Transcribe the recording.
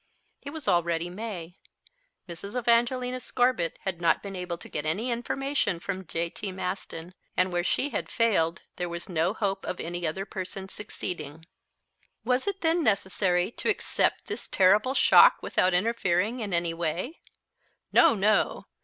It was already May. Mrs. Evangelina Scorbitt had not been able to get any information from J.T. Maston, and where she had failed there was no hope of any other person succeeding. Was it, then, necessary to accept this terrible shock without interfering in any way? No, no!